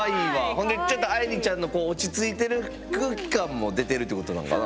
ほんでちょっと愛莉ちゃんの落ち着いてる空気感も出てるっていうことなんかな。